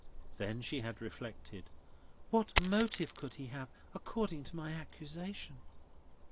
Then she had reflected, "What motive could he have, according to my accusation?"